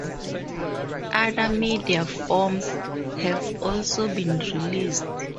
Other media forms have also been released.